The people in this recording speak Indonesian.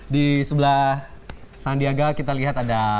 di sebelah sandiaga kita lihat ada